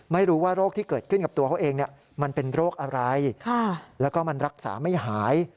ไม่รู้ว่าโรคที่เกิดขึ้นกับตัวเขาเองมันเป็นโรคอะไรแล้วก็มันรักษาไม่หาย